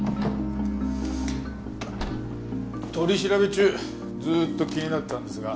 取り調べ中ずっと気になってたんですが。